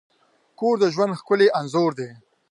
کور د ژوند ښکلی انځور دی.